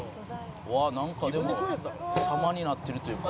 「なんかでも様になってるというか」